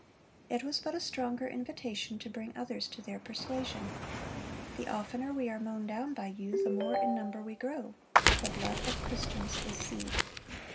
It was but a stronger invitation to bring others to their persuasion. "The oftener we are mown down by you, the more in number we grow; the blood of Christians is seed."